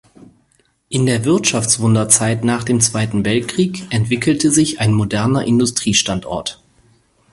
In der Wirtschaftswunder-Zeit nach dem Zweiten Weltkrieg entwickelte sich ein moderner Industriestandort.